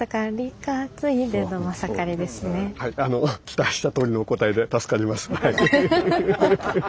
期待したとおりのお答えで助かります。